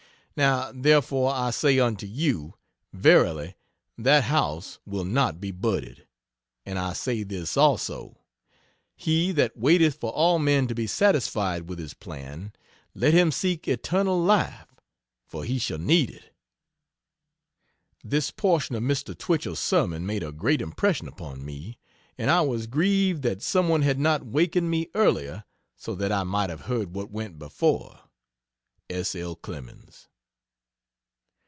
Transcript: Now therefore I say unto you, Verily that house will not be budded. And I say this also: He that waiteth for all men to be satisfied with his plan, let him seek eternal life, for he shall need it.'" This portion of Mr. Twichell's sermon made a great impression upon me, and I was grieved that some one had not wakened me earlier so that I might have heard what went before. S. L. CLEMENS.